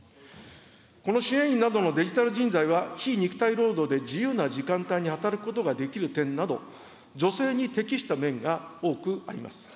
この支援員などのデジタル人材は非肉体労働で自由な時間帯に働くことができる点など、女性に適した面が多くあります。